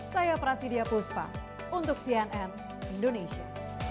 saya prasidya puspa untuk cnn indonesia